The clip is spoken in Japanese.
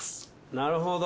なるほど。